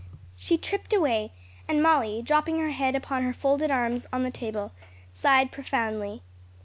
She tripped away, and Molly, dropping her head upon her folded arms on the table, sighed profoundly.